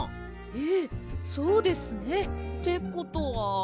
ええそうですね。ってことは。